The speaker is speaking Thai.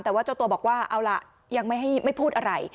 แต่ว่าเจ้าตัวบอกว่าเอาล่ะยังไม่พูดอะไร